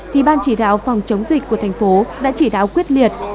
thì ban chỉ đạo phòng chống dịch của thành phố đã chỉ đạo quyết liệt